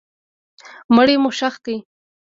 مړی مو ښخ کړ.